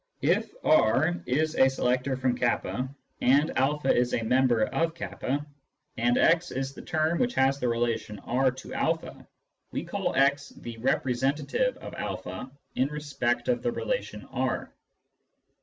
If R is a selector from k, and a is a member of /c, and x is the term which has the relation R to a, we call x the " representative " of a in respect of the relation R.